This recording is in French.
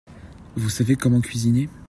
Vous savez comment cuisiner ?